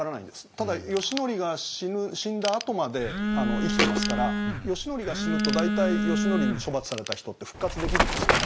ただ義教が死んだあとまで生きてますから義教が死ぬと大体義教に処罰された人って復活できるんですよね。